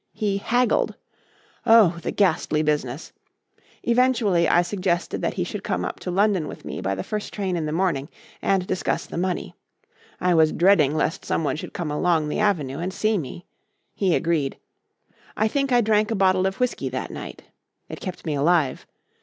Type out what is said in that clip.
He haggled. Oh! the ghastly business! Eventually I suggested that he should come up to London with me by the first train in the morning and discuss the money. I was dreading lest someone should come along the avenue and see me. He agreed. I think I drank a bottle of whisky that night. It kept me alive.